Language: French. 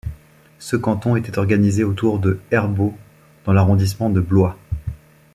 Ce canton était organisé autour de Herbault dans l'arrondissement de Blois.